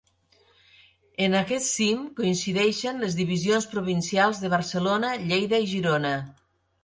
En aquest cim coincideixen les divisions provincials de Barcelona, Lleida i Girona.